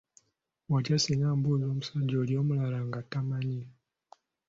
Watya singa mbuuza omusajja oli omulala nga tamanyi?